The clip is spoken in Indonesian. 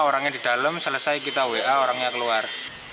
orangnya di dalam selesai kita wa orangnya keluar